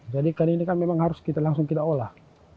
jadi ikan ini kan memang harus kita langsung kita olah